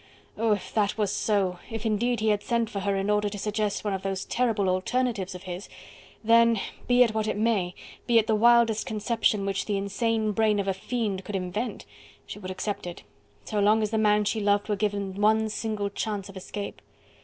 Oh! if that was so, if indeed he had sent for her in order to suggest one of those terrible alternatives of his, then be it what it may, be it the wildest conception which the insane brain of a fiend could invent, she would accept it, so long as the man she loved were given one single chance of escape.